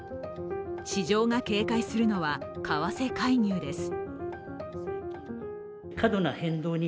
市場が警戒するのは為替介入です。